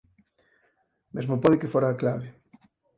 Mesmo pode que fora a clave.